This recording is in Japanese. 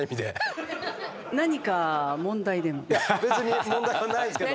いや別に問題はないですけど。